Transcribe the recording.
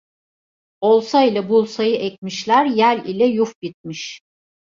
Olsa ile bulsayı ekmişler, yel ile yuf bitmiş.